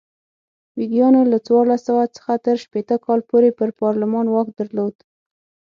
ویګیانو له څوارلس سوه څخه تر شپېته کاله پورې پر پارلمان واک درلود.